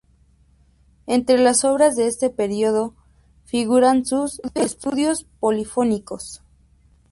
Entre las obras de este período figuran sus "Estudios polifónicos".